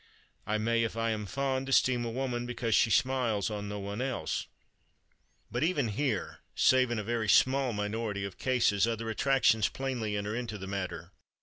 I may, if I am fond, esteem a woman because she smiles on no one else. But even here, save in a very small minority of cases, other attractions plainly enter into the matter.